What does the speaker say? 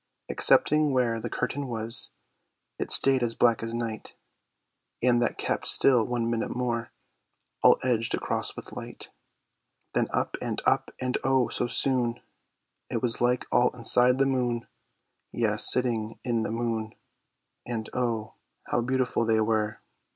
Excepting where the Curtain was, It stayed as black as night; And that kept still one minute more, All edged across with light: Then Up and Up And Oh, so soon, It was like all Inside the Moon, Yes, sitting in the Moon! And Oh, how Beautiful they were!